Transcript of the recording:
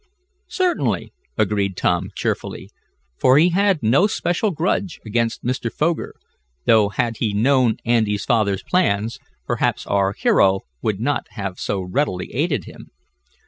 "Certainly," agreed Tom, cheerfully, for he had no special grudge against Mr. Foger, though had he known Andy's father's plans, perhaps our hero would not have so readily aided him.